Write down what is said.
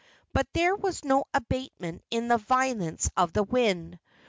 But there was no abatement in the violence of the wind.